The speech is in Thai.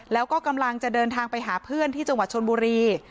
แล้วก็กำลังจะเดินทางไปหาเพื่อนที่จังหวัดชนบุรี